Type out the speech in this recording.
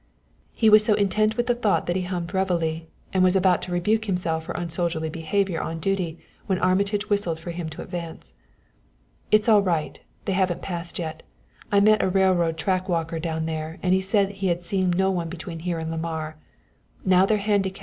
He was so intent with the thought that he hummed reveille, and was about to rebuke himself for unsoldierly behavior on duty when Armitage whistled for him to advance. "It's all right; they haven't passed yet. I met a railroad track walker down there and he said he had seen no one between here and Lamar.